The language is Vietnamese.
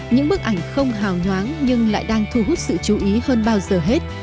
những bức ảnh không hào nhoáng nhưng lại đang thu hút sự chú ý hơn bao giờ hết